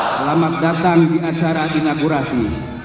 selamat datang di acara inaugurasi